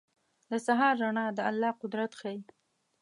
• د سهار رڼا د الله قدرت ښيي.